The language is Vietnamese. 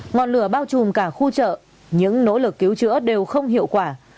ngọn lửa bao trùm cả khu chợ những nỗ lực cứu chữa đều không hiệu quả